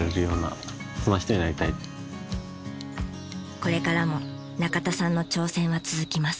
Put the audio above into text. これからも中田さんの挑戦は続きます。